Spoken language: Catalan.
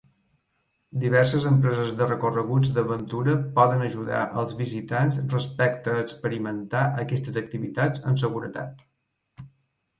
Diverses empreses de recorreguts d'aventura poden ajudar els visitants respecte a experimentar aquestes activitats amb seguretat.